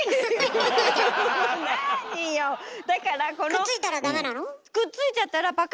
くっついたらダメなの？